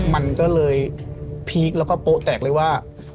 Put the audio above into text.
มันก็เลยพีคแล้วก็โป๊ะแตกเลยว่า